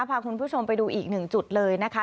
พาคุณผู้ชมไปดูอีกหนึ่งจุดเลยนะคะ